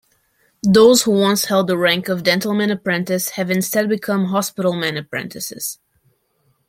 Those who once held the rank of dentalman apprentice have instead become hospitalman apprentices.